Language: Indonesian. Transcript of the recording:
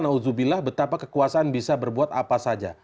naudzubillah betapa kekuasaan bisa berbuat apa saja